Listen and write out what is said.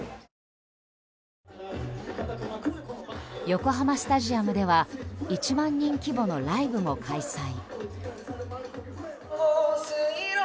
横浜スタジアムでは１万人規模のライブも開催。